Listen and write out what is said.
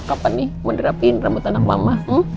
kapan nih mau nerapin rambut anak mama